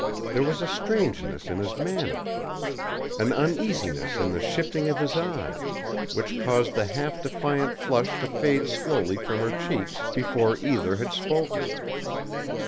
There was a strangeness in his manner, an uneasiness in the shifting of his eyes, which caused the half defiant flush to fade slowly from her cheeks before either had spoken.